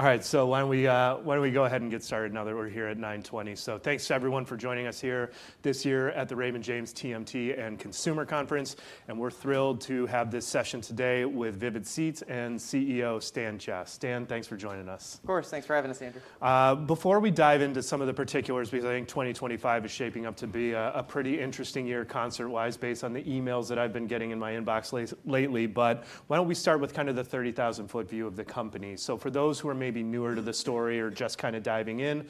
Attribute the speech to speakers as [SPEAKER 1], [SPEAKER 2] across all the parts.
[SPEAKER 1] All right, so why don't we go ahead and get started now that we're here at 9:20 A.M.? So thanks to everyone for joining us here this year at the Raymond James TMT and Consumer Conference, and we're thrilled to have this session today with Vivid Seats and CEO Stan Chia. Stan, thanks for joining us.
[SPEAKER 2] Of course. Thanks for having us, Andrew.
[SPEAKER 1] Before we dive into some of the particulars, because I think 2025 is shaping up to be a pretty interesting year concert-wise based on the emails that I've been getting in my inbox lately, but why don't we start with kind of the 30,000-foot view of the company? So for those who are maybe newer to the story or just kind of diving in,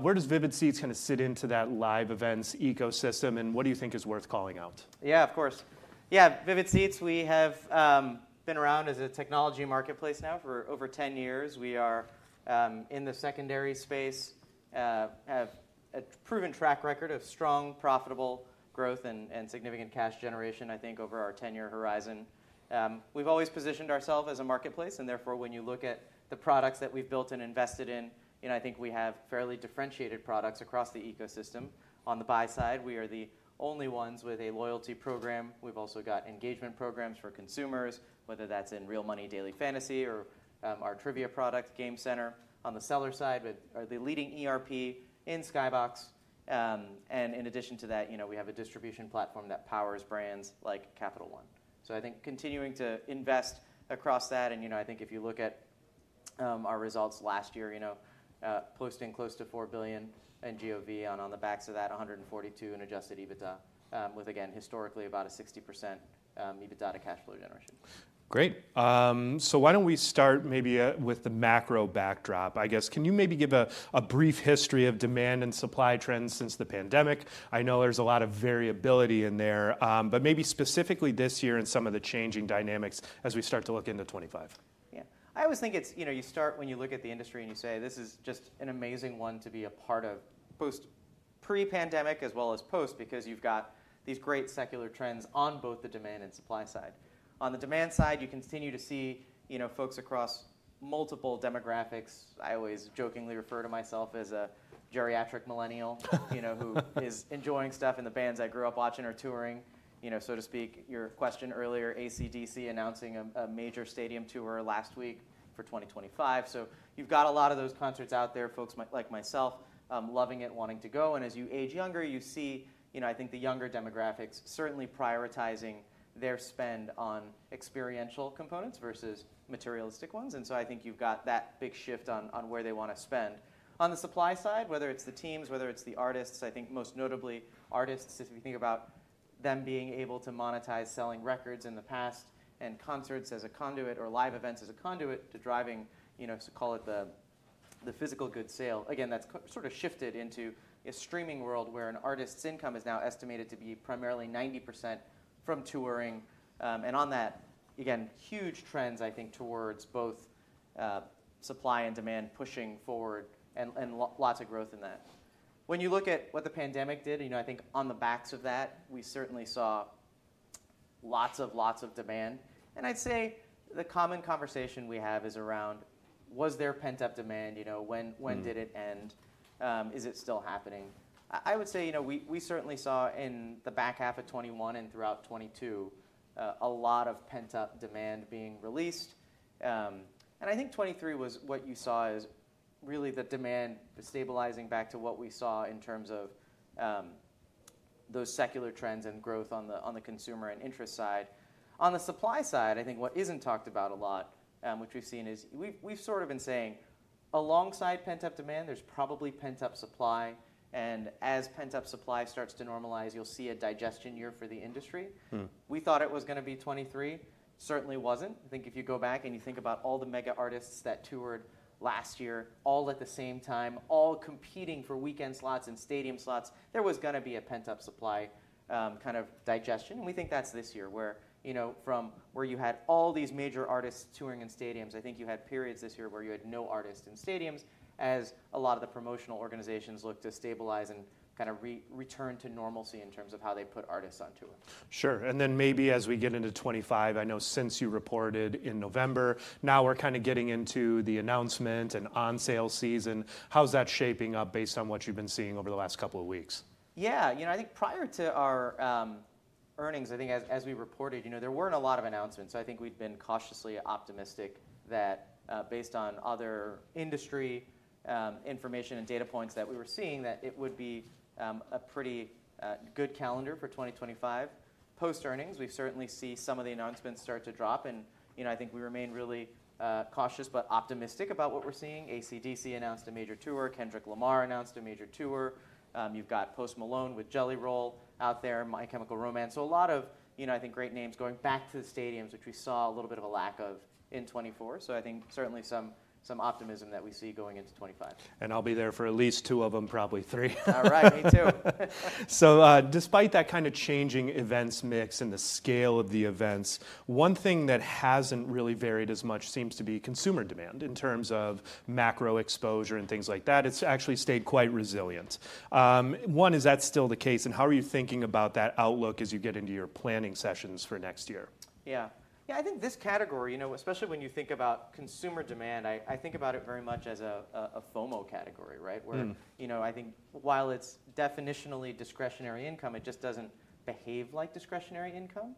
[SPEAKER 1] where does Vivid Seats kind of sit into that live events ecosystem, and what do you think is worth calling out?
[SPEAKER 2] Yeah, of course. Yeah, Vivid Seats, we have been around as a technology marketplace now for over 10 years. We are in the secondary space, have a proven track record of strong, profitable growth and significant cash generation, I think, over our 10-year horizon. We've always positioned ourselves as a marketplace, and therefore when you look at the products that we've built and invested in, I think we have fairly differentiated products across the ecosystem. On the buy side, we are the only ones with a loyalty program. We've also got engagement programs for consumers, whether that's in real money daily fantasy or our trivia product, Game Center. On the seller side, we are the leading ERP in Skybox, and in addition to that, we have a distribution platform that powers brands like Capital One. So I think continuing to invest across that, and I think if you look at our results last year, posting close to $4 billion in GOV on the backs of that, $142 in adjusted EBITDA, with, again, historically about a 60% EBITDA to cash flow generation.
[SPEAKER 1] Great. So why don't we start maybe with the macro backdrop? I guess, can you maybe give a brief history of demand and supply trends since the pandemic? I know there's a lot of variability in there, but maybe specifically this year and some of the changing dynamics as we start to look into 2025?
[SPEAKER 2] Yeah. I always think you start when you look at the industry and you say, "This is just an amazing one to be a part of," both pre-pandemic as well as post, because you've got these great secular trends on both the demand and supply side. On the demand side, you continue to see folks across multiple demographics. I always jokingly refer to myself as a geriatric millennial who is enjoying stuff in the bands I grew up watching or touring, so to speak. Your question earlier, AC/DC announcing a major stadium tour last week for 2025. So you've got a lot of those concerts out there, folks like myself loving it, wanting to go. And as you age younger, you see, I think, the younger demographics certainly prioritizing their spend on experiential components versus materialistic ones. And so I think you've got that big shift on where they want to spend. On the supply side, whether it's the teams, whether it's the artists, I think most notably artists, if you think about them being able to monetize selling records in the past and concerts as a conduit or live events as a conduit to driving, call it the physical goods sale. Again, that's sort of shifted into a streaming world where an artist's income is now estimated to be primarily 90% from touring. And on that, again, huge trends, I think, towards both supply and demand pushing forward and lots of growth in that. When you look at what the pandemic did, I think on the backs of that, we certainly saw lots of, lots of demand. And I'd say the common conversation we have is around, was there pent-up demand? When did it end? Is it still happening? I would say we certainly saw in the back half of 2021 and throughout 2022 a lot of pent-up demand being released. And I think 2023 was what you saw as really the demand stabilizing back to what we saw in terms of those secular trends and growth on the consumer and interest side. On the supply side, I think what isn't talked about a lot, which we've seen, is we've sort of been saying alongside pent-up demand, there's probably pent-up supply. And as pent-up supply starts to normalize, you'll see a digestion year for the industry. We thought it was going to be 2023. Certainly wasn't. I think if you go back and you think about all the mega artists that toured last year all at the same time, all competing for weekend slots and stadium slots, there was going to be a pent-up supply kind of digestion. And we think that's this year where from where you had all these major artists touring in stadiums, I think you had periods this year where you had no artists in stadiums as a lot of the promotional organizations looked to stabilize and kind of return to normalcy in terms of how they put artists on tour.
[SPEAKER 1] Sure, and then maybe as we get into 2025, I know since you reported in November, now we're kind of getting into the announcement and on-sale season. How's that shaping up based on what you've been seeing over the last couple of weeks?
[SPEAKER 2] Yeah. I think prior to our earnings, I think as we reported, there weren't a lot of announcements. So I think we'd been cautiously optimistic that based on other industry information and data points that we were seeing, that it would be a pretty good calendar for 2025. Post earnings, we certainly see some of the announcements start to drop. And I think we remain really cautious but optimistic about what we're seeing. AC/DC announced a major tour. Kendrick Lamar announced a major tour. You've got Post Malone with Jelly Roll out there, My Chemical Romance. So a lot of, I think, great names going back to the stadiums, which we saw a little bit of a lack of in 2024. So I think certainly some optimism that we see going into 2025.
[SPEAKER 1] And I'll be there for at least two of them, probably three.
[SPEAKER 2] All right. Me too.
[SPEAKER 1] So despite that kind of changing events mix and the scale of the events, one thing that hasn't really varied as much seems to be consumer demand in terms of macro exposure and things like that. It's actually stayed quite resilient. One, is that still the case? And how are you thinking about that outlook as you get into your planning sessions for next year?
[SPEAKER 2] Yeah. Yeah, I think this category, especially when you think about consumer demand, I think about it very much as a FOMO category, right? Where I think while it's definitionally discretionary income, it just doesn't behave like discretionary income.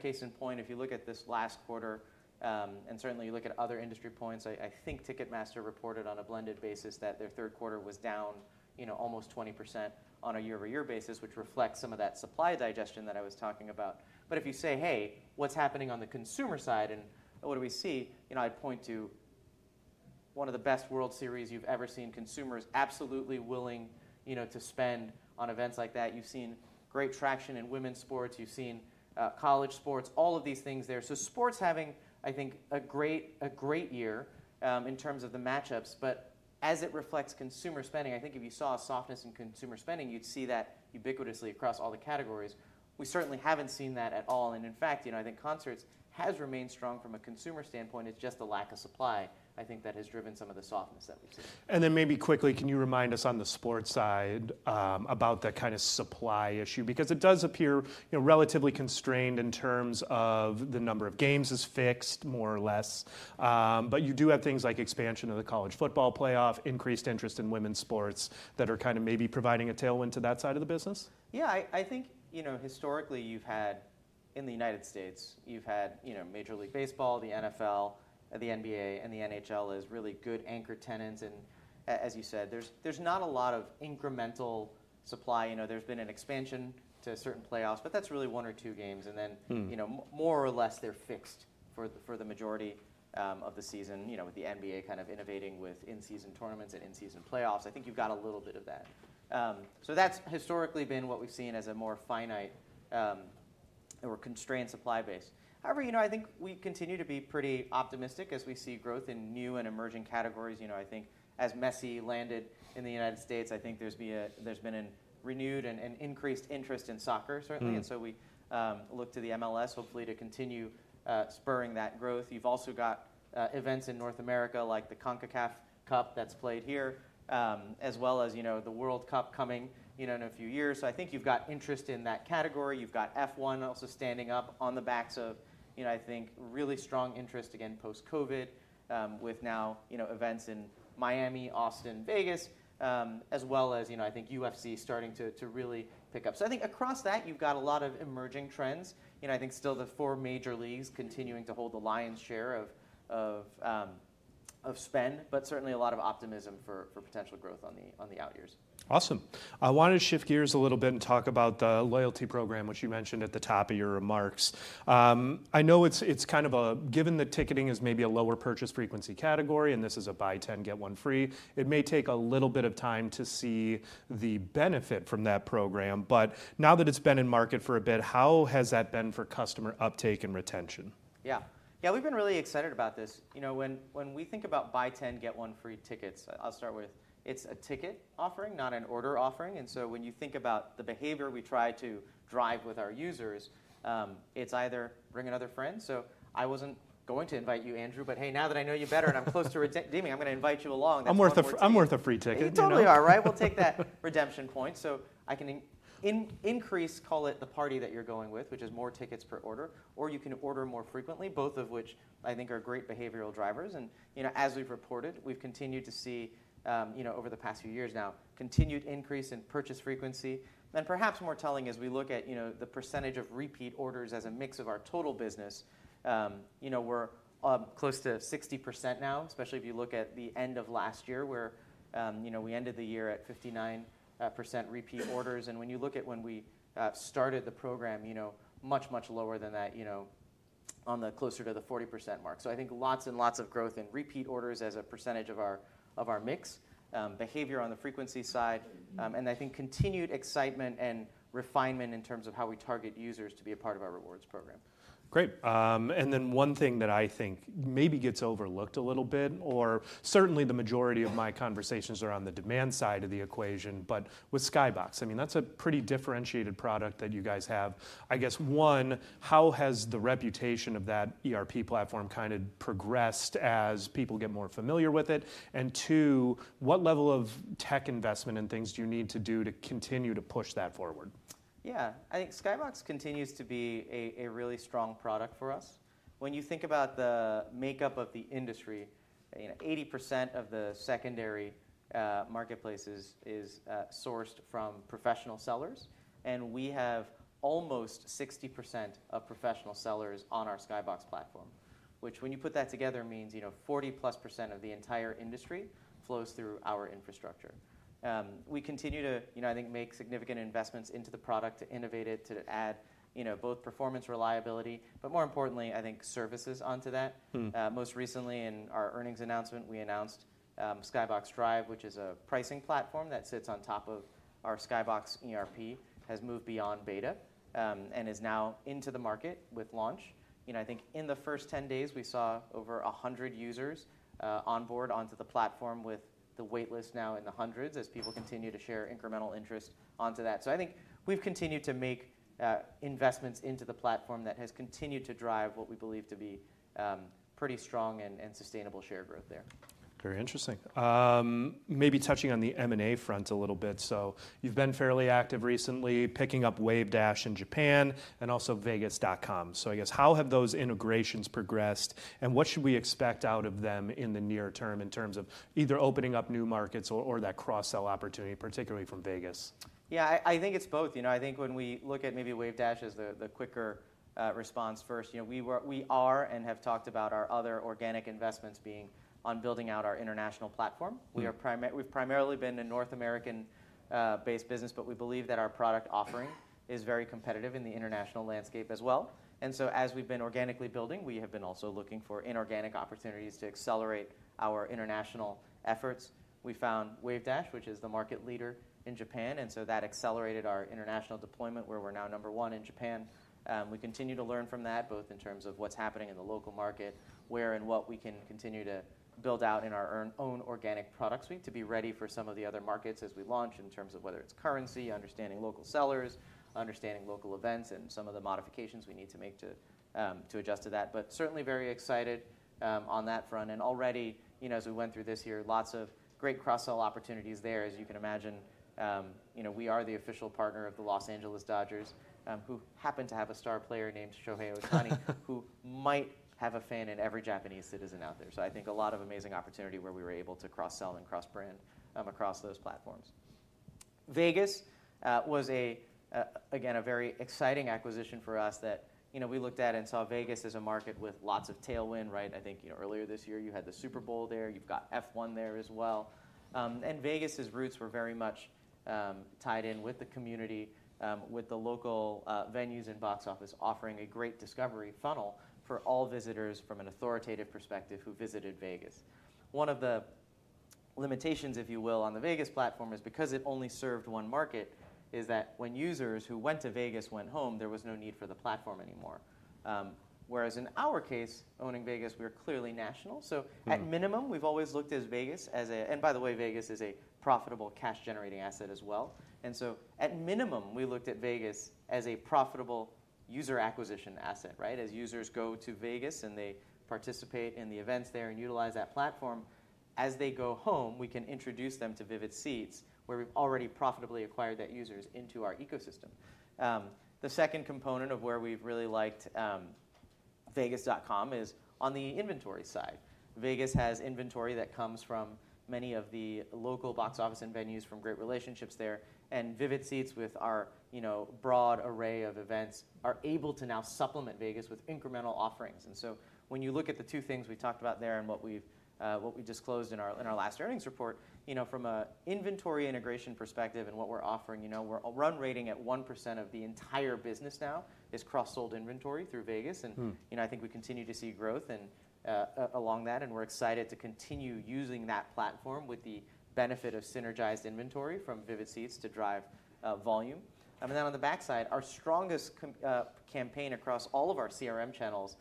[SPEAKER 2] Case in point, if you look at this last quarter and certainly you look at other industry points, I think Ticketmaster reported on a blended basis that their third quarter was down almost 20% on a year-over-year basis, which reflects some of that supply digestion that I was talking about. But if you say, "Hey, what's happening on the consumer side and what do we see?" I'd point to one of the best World Series you've ever seen consumers absolutely willing to spend on events like that. You've seen great traction in women's sports. You've seen college sports, all of these things there. Sports having, I think, a great year in terms of the matchups. But as it reflects consumer spending, I think if you saw a softness in consumer spending, you'd see that ubiquitously across all the categories. We certainly haven't seen that at all. In fact, I think concerts have remained strong from a consumer standpoint. It's just a lack of supply, I think, that has driven some of the softness that we've seen.
[SPEAKER 1] And then maybe quickly, can you remind us on the sports side about that kind of supply issue? Because it does appear relatively constrained in terms of the number of games is fixed, more or less. But you do have things like expansion of the college football playoff, increased interest in women's sports that are kind of maybe providing a tailwind to that side of the business?
[SPEAKER 2] Yeah. I think historically you've had in the United States, you've had Major League Baseball, the NFL, the NBA, and the NHL as really good anchor tenants. And as you said, there's not a lot of incremental supply. There's been an expansion to certain playoffs, but that's really one or two games. And then more or less they're fixed for the majority of the season with the NBA kind of innovating with in-season tournaments and in-season playoffs. I think you've got a little bit of that. So that's historically been what we've seen as a more finite or constrained supply base. However, I think we continue to be pretty optimistic as we see growth in new and emerging categories. I think as Messi landed in the United States, I think there's been a renewed and increased interest in soccer, certainly. And so we look to the MLS, hopefully to continue spurring that growth. You've also got events in North America like the CONCACAF Cup that's played here, as well as the World Cup coming in a few years. So I think you've got interest in that category. You've got F1 also standing up on the backs of, I think, really strong interest, again, post-COVID with now events in Miami, Austin, Vegas, as well as I think UFC starting to really pick up. So I think across that, you've got a lot of emerging trends. I think still the four major leagues continuing to hold the lion's share of spend, but certainly a lot of optimism for potential growth on the out years.
[SPEAKER 1] Awesome. I wanted to shift gears a little bit and talk about the loyalty program, which you mentioned at the top of your remarks. I know it's kind of a, given that ticketing is maybe a lower purchase frequency category and this is a buy 10, get one free, it may take a little bit of time to see the benefit from that program. But now that it's been in market for a bit, how has that been for customer uptake and retention?
[SPEAKER 2] Yeah. Yeah, we've been really excited about this. When we think about buy 10, get one free tickets, I'll start with, it's a ticket offering, not an order offering. And so when you think about the behavior we try to drive with our users, it's either bring another friend. So I wasn't going to invite you, Andrew, but hey, now that I know you better and I'm close to redeeming you, I'm going to invite you along.
[SPEAKER 1] I'm worth a free ticket.
[SPEAKER 2] You totally are, right? We'll take that redemption point. So I can increase, call it the party that you're going with, which is more tickets per order, or you can order more frequently, both of which I think are great behavioral drivers. And as we've reported, we've continued to see over the past few years now, continued increase in purchase frequency. And perhaps more telling as we look at the percentage of repeat orders as a mix of our total business, we're close to 60% now, especially if you look at the end of last year where we ended the year at 59% repeat orders. And when you look at when we started the program, much, much lower than that, or closer to the 40% mark. So I think lots and lots of growth in repeat orders as a percentage of our mix, behavior on the frequency side, and I think continued excitement and refinement in terms of how we target users to be a part of our rewards program.
[SPEAKER 1] Great. And then one thing that I think maybe gets overlooked a little bit, or certainly the majority of my conversations are on the demand side of the equation, but with Skybox, I mean, that's a pretty differentiated product that you guys have. I guess, one, how has the reputation of that ERP platform kind of progressed as people get more familiar with it? And two, what level of tech investment and things do you need to do to continue to push that forward?
[SPEAKER 2] Yeah. I think Skybox continues to be a really strong product for us. When you think about the makeup of the industry, 80% of the secondary marketplaces is sourced from professional sellers, and we have almost 60% of professional sellers on our Skybox platform, which when you put that together means 40+% of the entire industry flows through our infrastructure. We continue to, I think, make significant investments into the product to innovate it, to add both performance reliability, but more importantly, I think services onto that. Most recently in our earnings announcement, we announced Skybox Drive, which is a pricing platform that sits on top of our Skybox ERP, has moved beyond beta and is now into the market with launch. I think in the first 10 days, we saw over 100 users onboard onto the platform with the waitlist now in the hundreds as people continue to share incremental interest onto that, so I think we've continued to make investments into the platform that has continued to drive what we believe to be pretty strong and sustainable share growth there.
[SPEAKER 1] Very interesting. Maybe touching on the M&A front a little bit. So you've been fairly active recently picking up Wavedash in Japan and also Vegas.com. So I guess how have those integrations progressed and what should we expect out of them in the near term in terms of either opening up new markets or that cross-sell opportunity, particularly from Vegas?
[SPEAKER 2] Yeah, I think it's both. I think when we look at maybe Wavedash as the quicker response first, we are and have talked about our other organic investments being on building out our international platform. We've primarily been a North American-based business, but we believe that our product offering is very competitive in the international landscape as well. And so as we've been organically building, we have been also looking for inorganic opportunities to accelerate our international efforts. We found Wavedash, which is the market leader in Japan. And so that accelerated our international deployment where we're now number one in Japan. We continue to learn from that both in terms of what's happening in the local market, where and what we can continue to build out in our own organic product suite to be ready for some of the other markets as we launch in terms of whether it's currency, understanding local sellers, understanding local events and some of the modifications we need to make to adjust to that. But certainly very excited on that front. And already as we went through this year, lots of great cross-sell opportunities there. As you can imagine, we are the official partner of the Los Angeles Dodgers who happen to have a star player named Shohei Ohtani who might have a fan in every Japanese citizen out there. So I think a lot of amazing opportunity where we were able to cross-sell and cross-brand across those platforms. Vegas was, again, a very exciting acquisition for us that we looked at and saw Vegas as a market with lots of tailwind, right? I think earlier this year you had the Super Bowl there. You've got F1 there as well. And Vegas's roots were very much tied in with the community, with the local venues and box office offering a great discovery funnel for all visitors from an authoritative perspective who visited Vegas. One of the limitations, if you will, on the Vegas platform is because it only served one market is that when users who went to Vegas went home, there was no need for the platform anymore. Whereas in our case owning Vegas, we are clearly national. So at minimum, we've always looked at Vegas as a, and by the way, Vegas is a profitable cash-generating asset as well. At minimum, we looked at Vegas as a profitable user acquisition asset, right? As users go to Vegas and they participate in the events there and utilize that platform, as they go home, we can introduce them to Vivid Seats where we've already profitably acquired that users into our ecosystem. The second component of where we've really liked Vegas.com is on the inventory side. Vegas has inventory that comes from many of the local box office and venues from great relationships there. Vivid Seats with our broad array of events are able to now supplement Vegas with incremental offerings. When you look at the two things we talked about there and what we've disclosed in our last earnings report, from an inventory integration perspective and what we're offering, we're run-rating at 1% of the entire business now is cross-sold inventory through Vegas. And I think we continue to see growth along that. And we're excited to continue using that platform with the benefit of synergized inventory from Vivid Seats to drive volume. And then on the backside, our strongest campaign across all of our CRM channels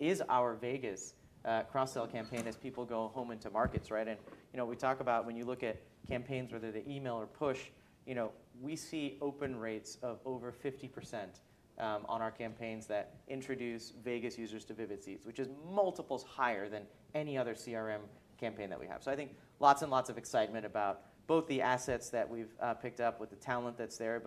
[SPEAKER 2] is our Vegas cross-sell campaign as people go home into markets, right? And we talk about when you look at campaigns, whether they're email or push, we see open rates of over 50% on our campaigns that introduce Vegas users to Vivid Seats, which is multiples higher than any other CRM campaign that we have. So I think lots and lots of excitement about both the assets that we've picked up with the talent that's there,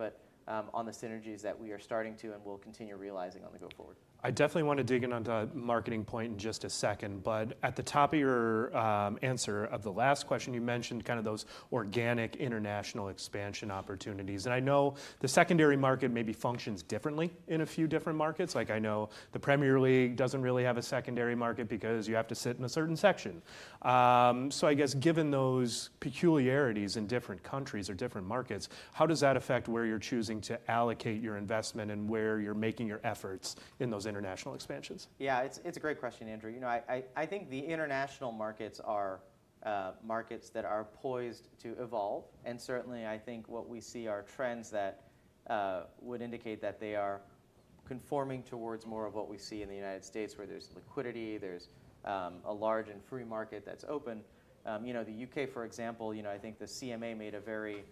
[SPEAKER 2] but on the synergies that we are starting to and will continue realizing on the go forward.
[SPEAKER 1] I definitely want to dig in on the marketing point in just a second, but at the top of your answer of the last question, you mentioned kind of those organic international expansion opportunities, and I know the secondary market maybe functions differently in a few different markets. Like I know the Premier League doesn't really have a secondary market because you have to sit in a certain section, so I guess given those peculiarities in different countries or different markets, how does that affect where you're choosing to allocate your investment and where you're making your efforts in those international expansions?
[SPEAKER 2] Yeah, it's a great question, Andrew. I think the international markets are markets that are poised to evolve. And certainly I think what we see are trends that would indicate that they are conforming towards more of what we see in the United States where there's liquidity, there's a large and free market that's open. The U.K., for example, I think the CMA made a very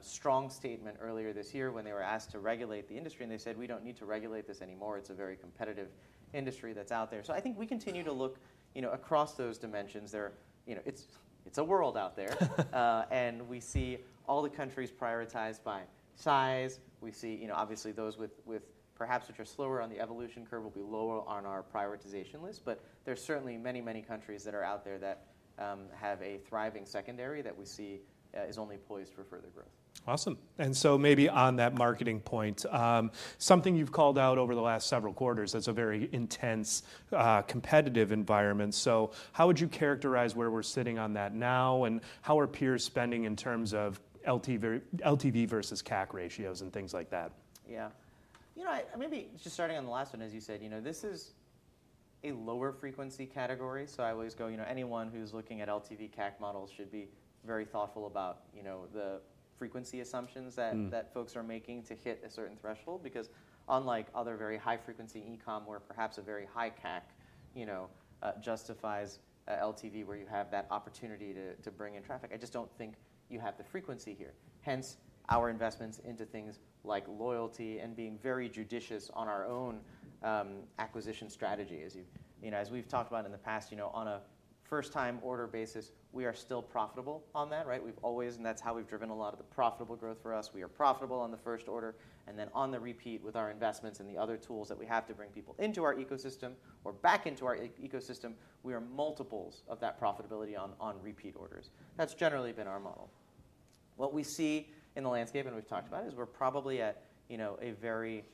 [SPEAKER 2] strong statement earlier this year when they were asked to regulate the industry and they said, "We don't need to regulate this anymore. It's a very competitive industry that's out there." So I think we continue to look across those dimensions. It's a world out there. And we see all the countries prioritized by size. We see obviously those with perhaps which are slower on the evolution curve will be lower on our prioritization list. But there's certainly many, many countries that are out there that have a thriving secondary that we see is only poised for further growth.
[SPEAKER 1] Awesome, and so maybe on that marketing point, something you've called out over the last several quarters, that's a very intense competitive environment, so how would you characterize where we're sitting on that now and how are peers spending in terms of LTV versus CAC ratios and things like that?
[SPEAKER 2] Yeah. You know, maybe just starting on the last one, as you said, this is a lower frequency category. So I always go anyone who's looking at LTV CAC models should be very thoughtful about the frequency assumptions that folks are making to hit a certain threshold because unlike other very high frequency e-com where perhaps a very high CAC justifies LTV where you have that opportunity to bring in traffic, I just don't think you have the frequency here. Hence our investments into things like loyalty and being very judicious on our own acquisition strategy. As we've talked about in the past, on a first-time order basis, we are still profitable on that, right? We've always, and that's how we've driven a lot of the profitable growth for us. We are profitable on the first order. Then, on the repeat with our investments and the other tools that we have to bring people into our ecosystem or back into our ecosystem, we are multiples of that profitability on repeat orders. That's generally been our model. What we see in the landscape, and we've talked about, is we're probably at a very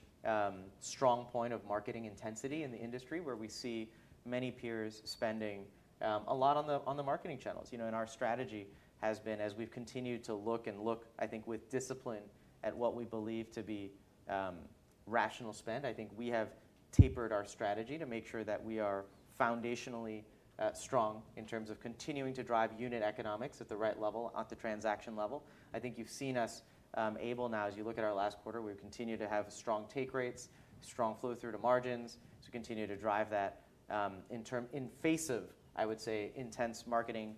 [SPEAKER 2] strong point of marketing intensity in the industry where we see many peers spending a lot on the marketing channels. Our strategy has been, as we've continued to look and look, I think with discipline at what we believe to be rational spend, I think we have tapered our strategy to make sure that we are foundationally strong in terms of continuing to drive unit economics at the right level at the transaction level. I think you've seen us able now, as you look at our last quarter, we've continued to have strong take rates, strong flow through to margins, so continue to drive that in face of, I would say, intense marketing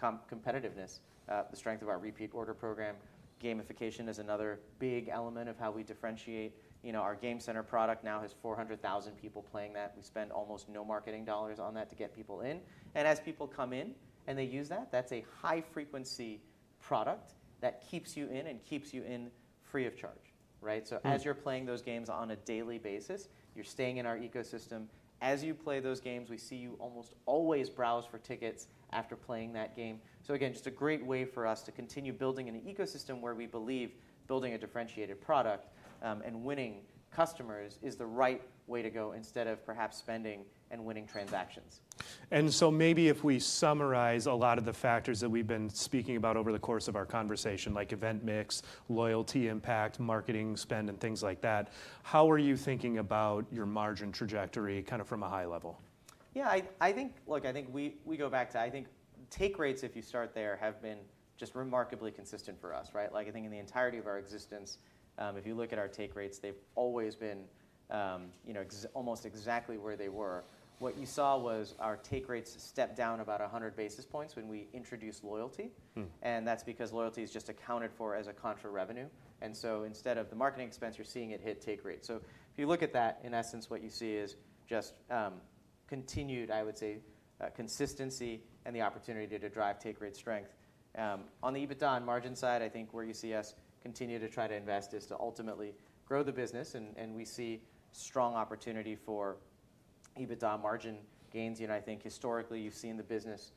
[SPEAKER 2] competitiveness, the strength of our repeat order program. Gamification is another big element of how we differentiate. Our Game Center product now has 400,000 people playing that. We spend almost no marketing dollars on that to get people in. And as people come in and they use that, that's a high frequency product that keeps you in and keeps you in free of charge, right? So as you're playing those games on a daily basis, you're staying in our ecosystem. As you play those games, we see you almost always browse for tickets after playing that game. So again, just a great way for us to continue building an ecosystem where we believe building a differentiated product and winning customers is the right way to go instead of perhaps spending and winning transactions.
[SPEAKER 1] And so maybe if we summarize a lot of the factors that we've been speaking about over the course of our conversation, like event mix, loyalty impact, marketing spend, and things like that, how are you thinking about your margin trajectory kind of from a high level?
[SPEAKER 2] Yeah, I think we go back to, I think take rates, if you start there, have been just remarkably consistent for us, right? Like I think in the entirety of our existence, if you look at our take rates, they've always been almost exactly where they were. What you saw was our take rates stepped down about 100 basis points when we introduced loyalty, and that's because loyalty is just accounted for as a contra revenue. And so instead of the marketing expense, you're seeing it hit take rate. So if you look at that, in essence, what you see is just continued, I would say, consistency and the opportunity to drive take rate strength. On the EBITDA and margin side, I think where you see us continue to try to invest is to ultimately grow the business, and we see strong opportunity for EBITDA margin gains. I think historically you've seen the business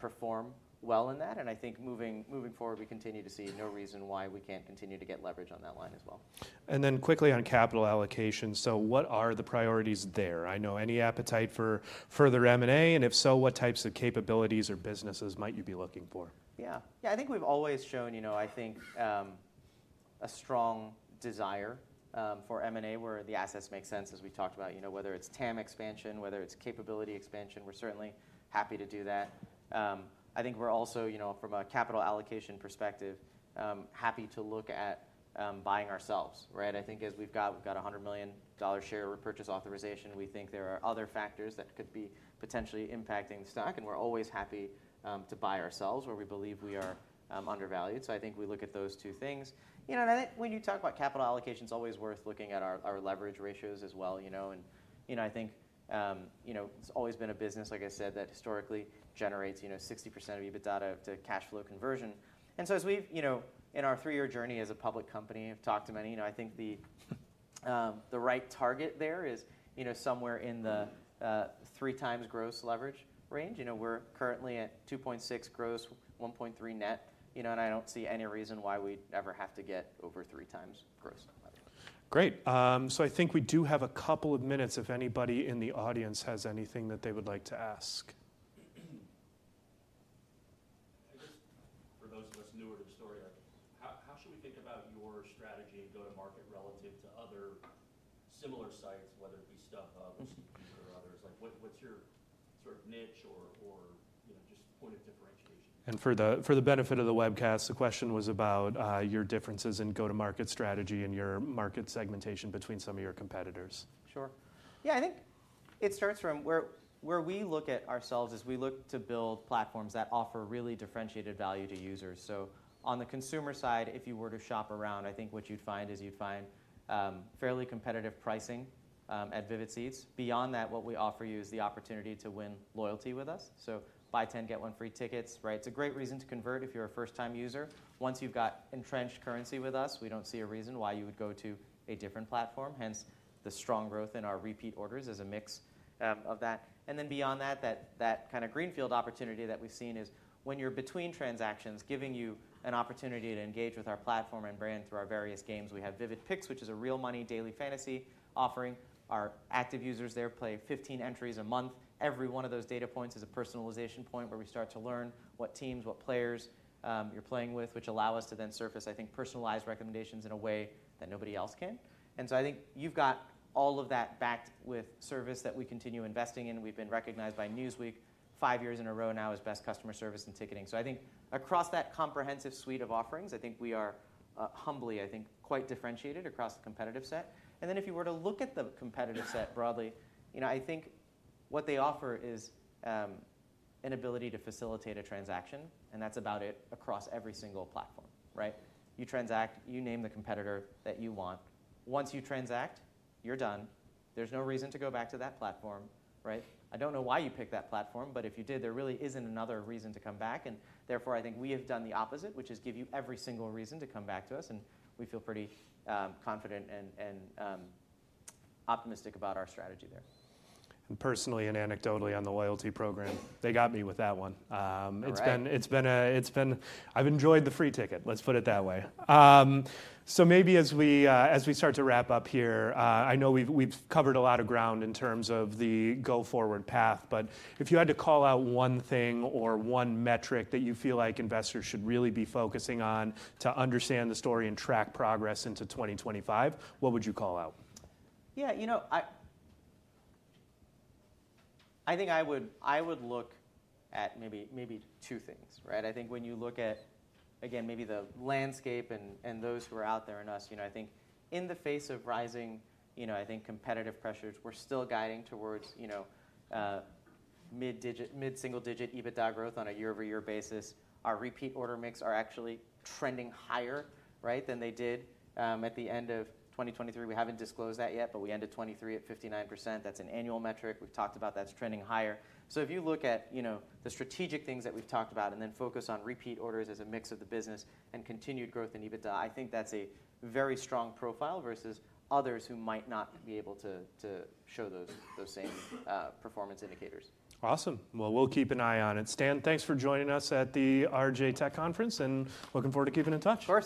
[SPEAKER 2] perform well in that, and I think moving forward, we continue to see no reason why we can't continue to get leverage on that line as well.
[SPEAKER 1] And then quickly on capital allocation. So what are the priorities there? I know any appetite for further M&A? And if so, what types of capabilities or businesses might you be looking for?
[SPEAKER 2] Yeah. Yeah, I think we've always shown, I think, a strong desire for M&A where the assets make sense, as we talked about, whether it's TAM expansion, whether it's capability expansion, we're certainly happy to do that. I think we're also, from a capital allocation perspective, happy to look at buying ourselves, right? I think as we've got a $100 million share repurchase authorization, we think there are other factors that could be potentially impacting the stock, and we're always happy to buy ourselves where we believe we are undervalued. So I think we look at those two things, and I think when you talk about capital allocation, it's always worth looking at our leverage ratios as well. I think it's always been a business, like I said, that historically generates 60% of EBITDA to cash flow conversion. And so as we've in our three-year journey as a public company, I've talked to many. I think the right target there is somewhere in the 3x gross leverage range. We're currently at 2.6 gross, 1.3 net. And I don't see any reason why we'd ever have to get over 3x gross leverage.
[SPEAKER 1] Great. So I think we do have a couple of minutes if anybody in the audience has anything that they would like to ask. For those of us newer to the story, how should we think about your strategy and go-to-market relative to other similar sites, whether it be StubHub or others? What's your sort of niche or just point of differentiation? For the benefit of the webcast, the question was about your differences in go-to-market strategy and your market segmentation between some of your competitors.
[SPEAKER 2] Sure. Yeah, I think it starts from where we look at ourselves as we look to build platforms that offer really differentiated value to users. So on the consumer side, if you were to shop around, I think what you'd find is you'd find fairly competitive pricing at Vivid Seats. Beyond that, what we offer you is the opportunity to win loyalty with us. So buy 10, get one free tickets, right? It's a great reason to convert if you're a first-time user. Once you've got entrenched currency with us, we don't see a reason why you would go to a different platform. Hence the strong growth in our repeat orders as a mix of that. And then beyond that, that kind of greenfield opportunity that we've seen is when you're between transactions, giving you an opportunity to engage with our platform and brand through our various games. We have Vivid Picks, which is a real money daily fantasy offering. Our active users there play 15 entries a month. Every one of those data points is a personalization point where we start to learn what teams, what players you're playing with, which allow us to then surface, I think, personalized recommendations in a way that nobody else can. And so I think you've got all of that backed with service that we continue investing in. We've been recognized by Newsweek five years in a row now as best customer service and ticketing. So I think across that comprehensive suite of offerings, I think we are humbly, I think, quite differentiated across the competitive set. And then if you were to look at the competitive set broadly, I think what they offer is an ability to facilitate a transaction. And that's about it across every single platform, right? You transact, you name the competitor that you want. Once you transact, you're done. There's no reason to go back to that platform, right? I don't know why you picked that platform, but if you did, there really isn't another reason to come back, and therefore, I think we have done the opposite, which is give you every single reason to come back to us, and we feel pretty confident and optimistic about our strategy there.
[SPEAKER 1] Personally and anecdotally on the loyalty program, they got me with that one. It's been. I've enjoyed the free ticket, let's put it that way. Maybe as we start to wrap up here, I know we've covered a lot of ground in terms of the go-forward path, but if you had to call out one thing or one metric that you feel like investors should really be focusing on to understand the story and track progress into 2025, what would you call out?
[SPEAKER 2] Yeah, you know, I think I would look at maybe two things, right? I think when you look at, again, maybe the landscape and those who are out there and us, I think in the face of rising, I think competitive pressures, we're still guiding towards mid-single digit EBITDA growth on a year-over-year basis. Our repeat order mix are actually trending higher, right, than they did at the end of 2023. We haven't disclosed that yet, but we ended 2023 at 59%. That's an annual metric. We've talked about that. It's trending higher. So if you look at the strategic things that we've talked about and then focus on repeat orders as a mix of the business and continued growth in EBITDA, I think that's a very strong profile versus others who might not be able to show those same performance indicators.
[SPEAKER 1] Awesome. Well, we'll keep an eye on it. Stan, thanks for joining us at the RJ Tech Conference and looking forward to keeping in touch.